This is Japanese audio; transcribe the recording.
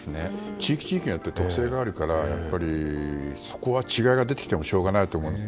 地域地域によって特性があるからそこは違いが出てきてもしょうがないと思います。